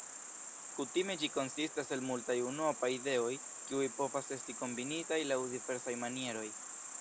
Kutime ĝi konsistas el multaj unuopaj ideoj, kiuj povas esti kombinitaj laŭ diversaj manieroj.